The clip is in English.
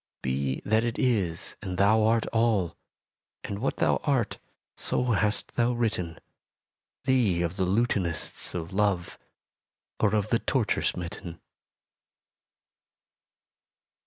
Be that it is and thou art all: And what thou art so hast thou written Thee of the lutanists of Love, Or of the torture smitten.